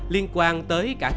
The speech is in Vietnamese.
liên quan tới cả tổ chức